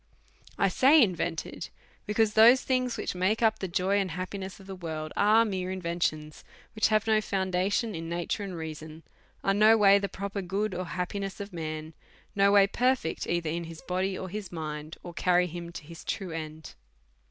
1 say invented, be cause those things which make up the joy and happi ness of this world are mere inventions, which have no foundation in nature and reason, are no way the pro per good or happiness of man, no way perfect either in his body or his mind, or carry him to his true end.